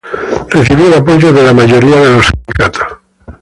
Recibió el apoyo de la mayoría de sindicatos.